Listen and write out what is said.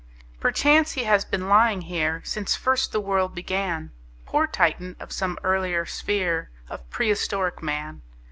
Perchance he has been lying here Since first the world began, Poor Titan of some earlier sphere Of prehistoric Man!